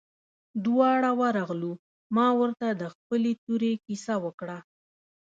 دواړه ورغلو ما ورته د خپلې تورې كيسه وكړه.